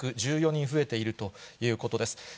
３１４人増えているということです。